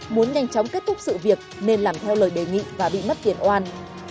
muốn nhanh chóng kết thúc sự việc nên làm theo lời đề nghị và bị mất tiền oan